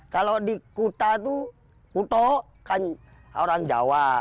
kalau di kuta tuh kuto kan orang jawa